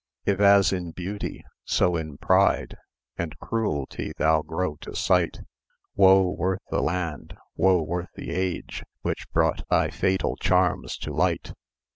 If as in beauty, so in pride And cruelty thou grow to sight, Woe worth the land, woe worth the age Which brought thy fatal charms to light.